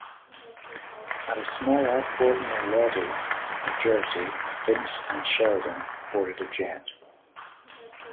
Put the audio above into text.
At a small airport near Lodi, New Jersey, Vince and Sheldon board a jet.